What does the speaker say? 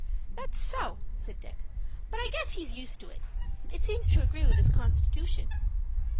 "That's so," said Dick; "but I guess he's used to it. It seems to agree with his constitution."